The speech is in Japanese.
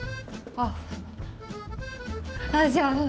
あじゃあ